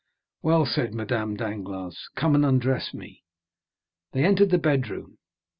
"Well," said Madame Danglars, "come and undress me." They entered the bedroom.